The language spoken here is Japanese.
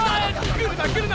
来るな来るな！